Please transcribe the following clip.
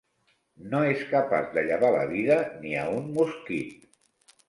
No és capaç de llevar la vida ni a un mosquit.